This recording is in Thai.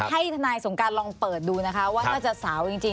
ให้ทนายสงการลองเปิดดูนะครับว่า